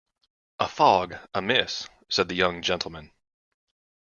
"A fog, miss," said the young gentleman.